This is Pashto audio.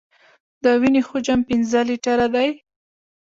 د وینې حجم پنځه لیټره دی.